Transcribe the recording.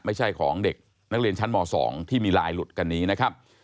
ไม่ใช่ของเด็กนักเรียนชั้นม๒ที่มีลายหลุดกันนี้นะครับ